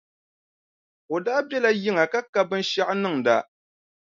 O daa biɛla yiŋa ka ka binshɛɣu n-niŋda.